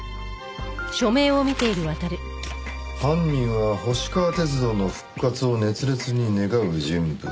犯人は星川鐵道の復活を熱烈に願う人物。